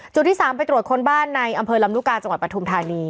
ที่๓ไปตรวจค้นบ้านในอำเภอลำลูกกาจังหวัดปทุมธานี